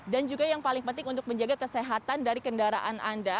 dan juga yang paling penting untuk menjaga kesehatan dari kendaraan anda